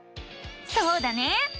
そうだね！